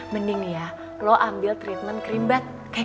mending ya lo ambil treatment krim bat kayak gue sekarang